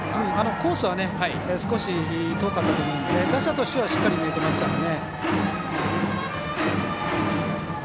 コースは少し遠かったと思うので打者としてはしっかり見えていますね。